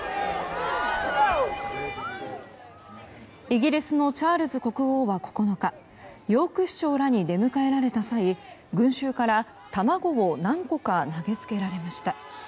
イギリスのチャールズ国王は９日ヨーク市長らに出迎えられた際、群衆から卵を何個か投げつけられました。